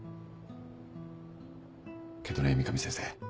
けどね三上先生。